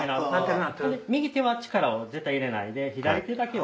右手は力を入れないで左手だけを。